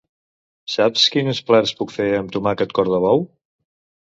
Saps quins plats puc fer amb tomàquet cor de bou?